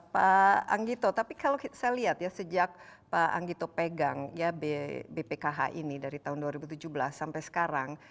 pak anggito tapi kalau saya lihat ya sejak pak anggito pegang ya bpkh ini dari tahun dua ribu tujuh belas sampai sekarang